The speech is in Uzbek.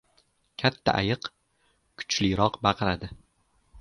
• Katta ayiq kuchliroq baqiradi.